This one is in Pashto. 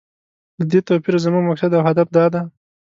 له دې توپیره زموږ مقصد او هدف دا دی.